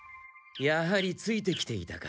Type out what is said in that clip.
やはりついてきていたか。